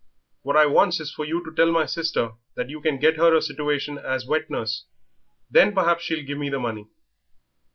"What I wants is for you to tell my sister that you can get her a situation as wet nurse; then perhaps she'll give me the money."